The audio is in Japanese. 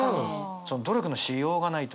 努力のしようがないという。